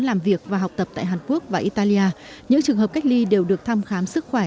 làm việc và học tập tại hàn quốc và italia những trường hợp cách ly đều được thăm khám sức khỏe